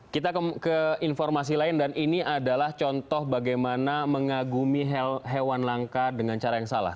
kita ke informasi lain dan ini adalah contoh bagaimana mengagumi hewan langka dengan cara yang salah